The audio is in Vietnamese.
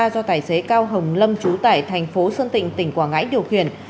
do tài xế cao hồng lâm trú tại tp sơn tịnh tỉnh quảng ngãi điều khiển